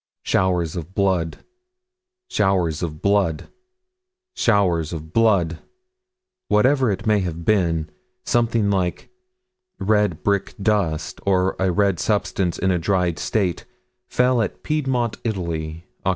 Showers of blood. Showers of blood. Showers of blood. Whatever it may have been, something like red brick dust, or a red substance in a dried state, fell at Piedmont, Italy, Oct.